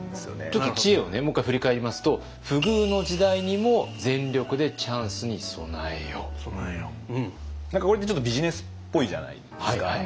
ちょっと知恵をねもう一回振り返りますと何かこれってちょっとビジネスっぽいじゃないですか。